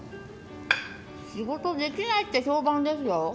仕事できないって評判ですよ。